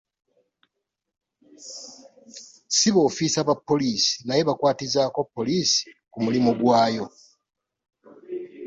Ssi b’ofiisa ba poliisi naye bakwatizaako poliisi ku mulimu gwaayo.